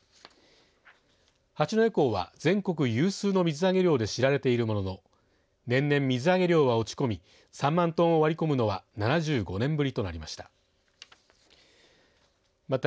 八戸港は全国有数の水揚げ量で知られているものの年々水揚げ量は落ち込み３万トンを割り込むのは７５年ぶりとなりました。